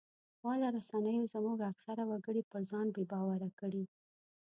خواله رسنیو زموږ اکثره وګړي پر ځان بې باوره کړي